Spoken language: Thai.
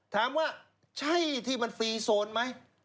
ถามว่าใช่ที่มันฟรีโซนไหม